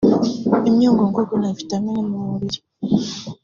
imyunyungugu na vitamini mu mubiri